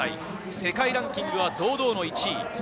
世界ランキングは堂々１位。